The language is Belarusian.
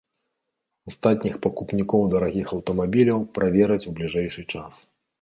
Астатніх пакупнікоў дарагіх аўтамабіляў правераць у бліжэйшы час.